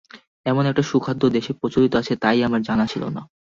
এমন একটা সুখাদ্য দেশে প্রচলিত আছে তা-ই আমার জানা ছিল না।